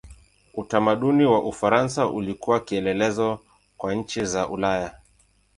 Utamaduni wa Ufaransa ulikuwa kielelezo kwa nchi za Ulaya.